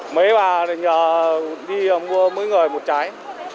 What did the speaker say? mấy bà đi mua mỗi người một trái